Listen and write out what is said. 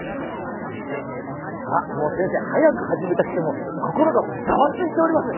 さあもう先生早く始めたくてもう心がザワついております。